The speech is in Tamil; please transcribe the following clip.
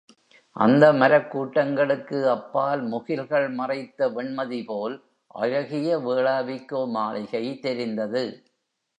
அந்த மரக் கூட்டங்களுக்கு அப்பால் முகில்கள் மறைத்த வெண்மதிபோல் அழகிய வேளாவிக்கோ மாளிகை தெரிந்தது.